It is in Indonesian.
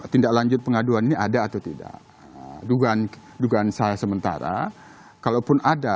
tindak lanjut pengaduan ini ada atau tidak dugaan saya sementara kalaupun ada